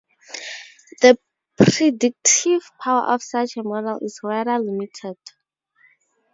The predictive power of such a model is rather limited.